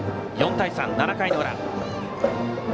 ４対３、７回の裏。